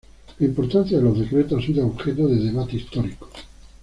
La importancia de los Decretos ha sido objeto de debate histórico.